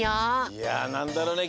いやなんだろうね？